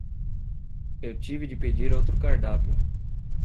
Eu tive de pedir outro cardápio